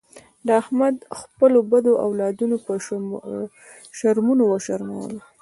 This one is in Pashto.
احمد خپلو بدو اولادونو په شرمونو و شرمولو.